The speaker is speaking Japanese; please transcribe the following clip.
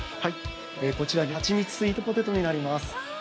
◆こちら、はちみつスイートポテトになります。